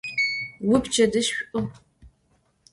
Vuipçedıj ş'u!